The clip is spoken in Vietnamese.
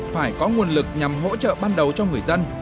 phải có nguồn lực nhằm hỗ trợ ban đầu cho người dân